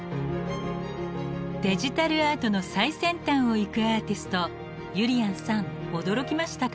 デジタルアートの最先端を行くアーティストゆりやんさん驚きましたか？